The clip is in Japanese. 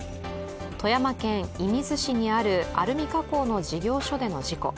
富山県射水市にあるアルミ加工の事業所での事故。